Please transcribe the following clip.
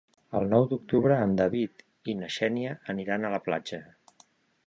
El nou d'octubre en David i na Xènia aniran a la platja.